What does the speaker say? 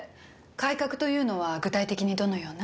改革というのは具体的にどのような？